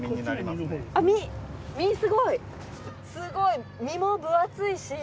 すごい身も分厚いし。